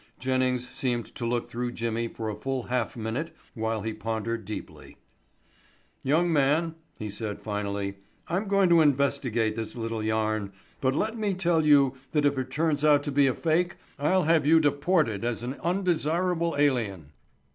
Jennings seemed to look through Jimmy for a full half minute while he pondered deeply. "Young man," he said finally. "I'm going to investigate this little yarn, but let me tell you that if it turns out to be a fake, I'll have you deported as an undesirable alien."